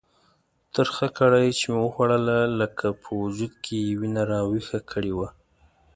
ترخه کړایي چې مې وخوړله لکه په وجود کې یې وینه راویښه کړې وه.